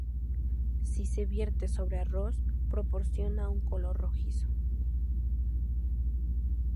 Si se vierte sobre arroz proporciona un color rojizo.